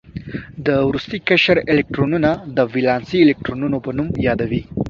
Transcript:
د وروستي قشر الکترونونه د ولانسي الکترونونو په نوم یادوي.